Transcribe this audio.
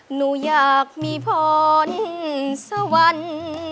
หนูอยากมีผลสวรรค์